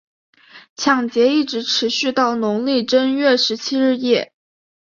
抢劫一直持续到农历正月十七日夜。